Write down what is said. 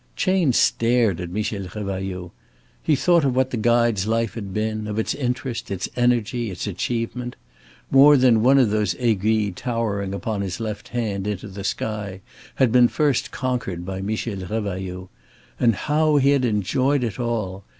Chayne stared at Michel Revailloud. He thought of what the guide's life had been, of its interest, its energy, its achievement. More than one of those aiguilles towering upon his left hand, into the sky, had been first conquered by Michel Revailloud. And how he had enjoyed it all!